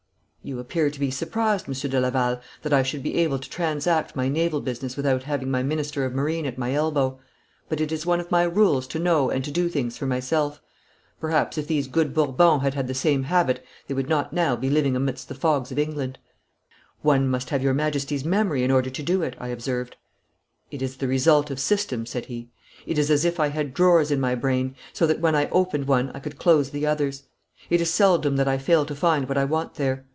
'You appear to be surprised, Monsieur de Laval, that I should be able to transact my naval business without having my minister of marine at my elbow; but it is one of my rules to know and to do things for myself. Perhaps if these good Bourbons had had the same habit they would not now be living amidst the fogs of England.' 'One must have your Majesty's memory in order to do it,' I observed. 'It is the result of system,' said he. 'It is as if I had drawers in my brain, so that when I opened one I could close the others. It is seldom that I fail to find what I want there.